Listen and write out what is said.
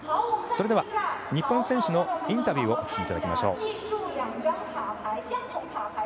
日本選手のインタビューをお聞きいただきましょう。